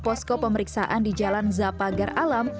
posko pemeriksaan di jalan zapagar alam